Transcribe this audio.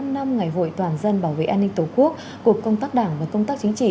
một mươi năm năm ngày hội toàn dân bảo vệ an ninh tổ quốc cục công tác đảng và công tác chính trị